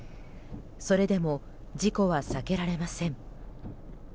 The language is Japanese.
それでも事故は避けられません。